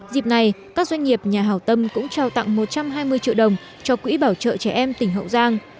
dịp này các doanh nghiệp nhà hảo tâm cũng trao tặng một trăm hai mươi triệu đồng cho quỹ bảo trợ trẻ em tỉnh hậu giang